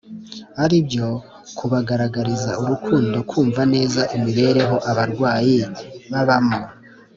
aribyo kubagaragariza urukundo kumva neza imibereho abarwayi babamo